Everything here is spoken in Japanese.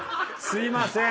すいません。